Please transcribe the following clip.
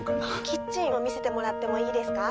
キッチンを見せてもらってもいいですか？